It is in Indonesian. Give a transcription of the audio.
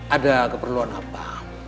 ada keperluan apa